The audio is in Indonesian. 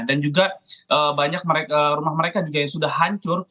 dan juga banyak rumah mereka juga yang sudah hancur